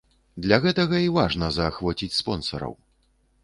Для гэтага і важна заахвоціць спонсараў.